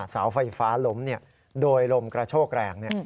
เสาไฟฟ้าล้มโดยลมกระโชกแรง